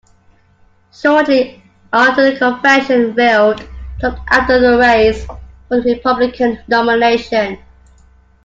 Shortly after the convention Weld dropped out of the race for the Republican nomination.